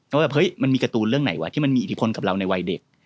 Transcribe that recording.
ว่าแบบเฮ้ยมันมีการ์ตูนเรื่องไหนวะที่มันมีอิทธิพลกับเราในวัยเด็ก